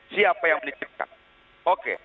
siapa yang menitipkan oke